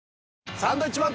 サンドウィッチマンと。